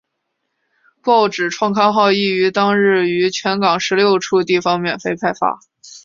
报纸创刊号亦于当日于全港十六处地方免费派发。